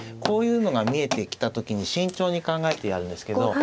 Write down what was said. こういうのが見えてきた時に慎重に考えてやるんですけど。